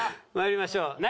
まいりましょう。